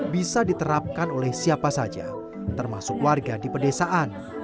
bisa diterapkan oleh siapa saja termasuk warga di pedesaan